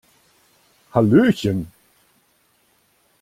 Hallöchen!